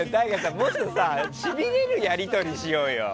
もっとしびれるやり取りしようよ。